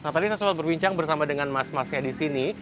tadi saya sempat berbincang bersama dengan mas masnya disini